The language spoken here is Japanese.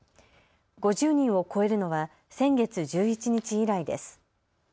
５０人を超えるのは先月１１日以来です。